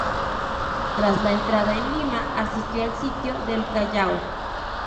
Tras la entrada en Lima, asistió al sitio del Callao.